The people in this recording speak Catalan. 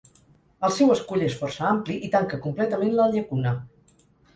El seu escull és força ampli i tanca completament la llacuna.